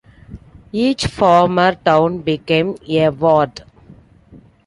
Each former town became a ward.